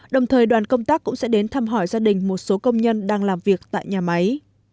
đồng thời đoàn công tác cũng sẽ đến thăm hỏi gia đình một số công nhân đang làm việc tại nhà máy